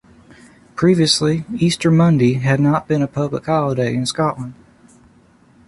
Previously Easter Monday had not been a public holiday in Scotland.